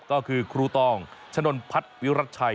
ก็คือครูตองชะนลพัดวิรัชชัย